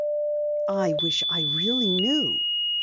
"I wish I really knew."